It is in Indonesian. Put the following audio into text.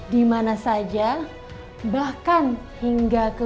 di mana saja bahkan hingga kemungkinan